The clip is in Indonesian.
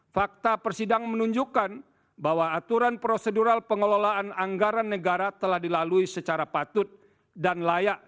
fakta persidangan menunjukkan bahwa aturan prosedural pengelolaan anggaran negara telah dilalui secara patut dan layak